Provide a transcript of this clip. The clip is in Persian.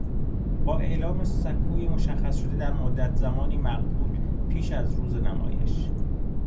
با اعلام سکوی مشخّصشده در مدّت زمانی معقول پیش از روز نمایش.